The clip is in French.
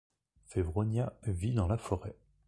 Fevronia vit dans la forêt.